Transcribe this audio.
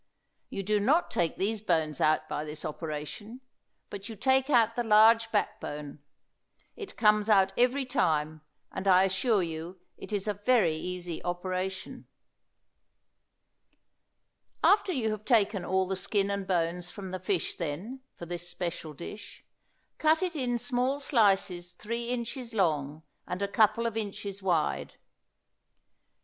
You do not take these bones out by this operation, but you take out the large back bone. It comes out every time, and I assure you it is a very easy operation. After you have taken all the skin and bones from the fish, then, for this special dish, cut it in small slices three inches long and a couple of inches wide.